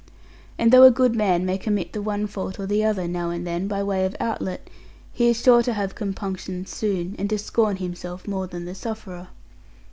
And though a good man may commit the one fault or the other, now and then, by way of outlet, he is sure to have compunctions soon, and to scorn himself more than the sufferer.